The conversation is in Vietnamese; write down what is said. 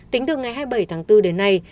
tính từ ngày hai mươi bảy bốn đến nay